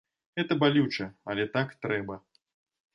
Гэта балюча, але так трэба.